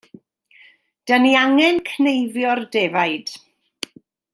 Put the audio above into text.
'Dan ni angen cneifio'r defaid.